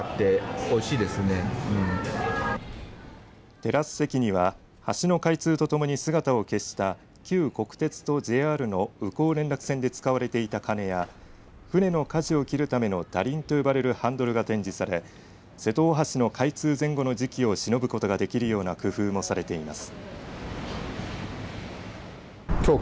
テラス席には橋の開通とともに姿を消した旧国鉄とＪＲの宇高連絡船で使われていた鐘や船のかじを切るための舵輪と呼ばれるハンドルが展示され瀬戸大橋の開通前後の時期をしのぶことができるような工夫もされています。